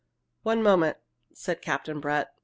"One moment!" said Captain Brett.